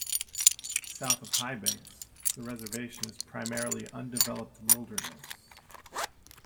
South of Highbanks, the reservation is primarily undeveloped wilderness.